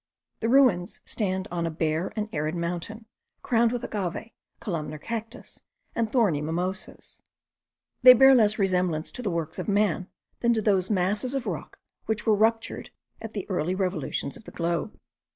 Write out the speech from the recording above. The ruins stand on a bare and arid mountain, crowned with agave, columnar cactus, and thorny mimosas: they bear less resemblance to the works of man, than to those masses of rock which were ruptured at the early revolutions of the globe.